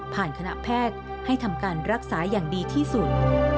คณะแพทย์ให้ทำการรักษาอย่างดีที่สุด